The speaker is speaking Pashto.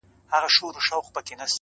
گوره زما گراني زما د ژوند شاعري ـ